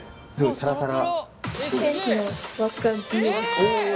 サラサラ。